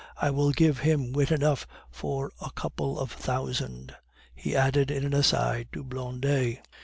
I will give him wit enough for a couple of thousand," he added in an aside to Blondet.